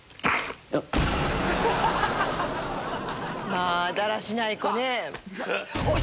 まぁだらしない子ね！